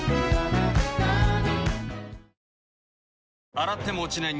洗っても落ちない